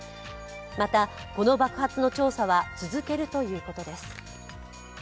また、この爆発の調査は続けるということです。